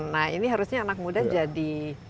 nah ini harusnya anak muda jadi